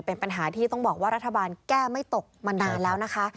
เป็นปัญหาที่ต้องบอกว่ารัฐบาลแก้ไม่ตกมานานแล้วนะคะ